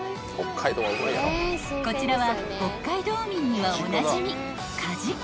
［こちらは北海道民にはおなじみ］